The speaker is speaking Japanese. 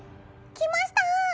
来ました！